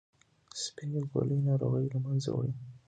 سپینې ګولۍ ناروغي له منځه وړي.